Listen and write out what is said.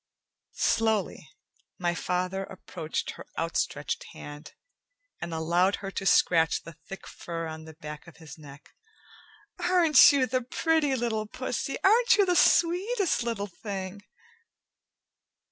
Slowly, my father approached her outstretched hand, and allowed her to scratch the thick fur on the back of his neck. "Aren't you the pretty little pussy! Aren't you the sweetest little thing!"